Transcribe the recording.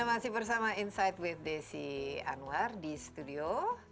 masih bersama insight with desi anwar di studio